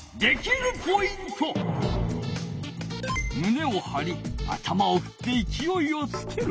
むねをはり頭をふっていきおいをつける。